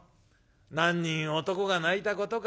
何人男が泣いたことか』。